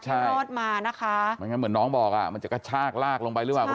รอดมานะคะไม่งั้นเหมือนน้องบอกอ่ะมันจะกระชากลากลงไปหรือเปล่า